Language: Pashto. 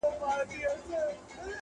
انډیوالۍ کي احسان څۀ ته وایي ,